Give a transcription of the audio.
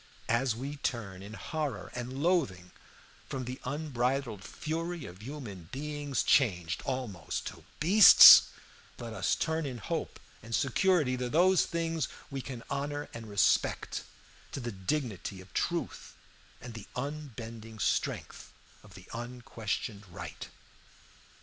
As we turn in horror and loathing from the unbridled fury of human beings, changed almost to beasts, so let us turn in hope and security to those things we can honor and respect, to the dignity of truth and the unbending strength of unquestioned right.